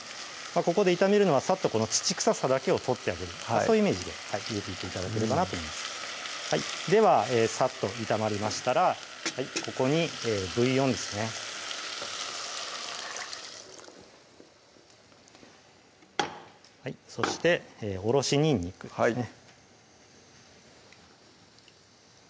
ここで炒めるのはさっと土臭さだけを取ってあげるそういうイメージで入れていって頂ければと思いますではさっと炒まりましたらここにブイヨンですねそしておろしにんにくですねはい